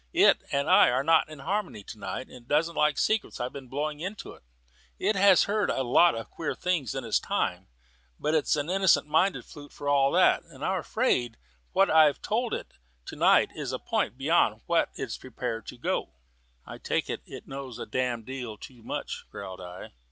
It and I are not in harmony to night. It doesn't like the secrets I've been blowing into it; it has heard a lot of queer things in its time, but it's an innocent minded flute for all that, and I'm afraid that what I've told it to night is a point beyond what it's prepared to go." "I take it, it knows a damned deal too much," growled I.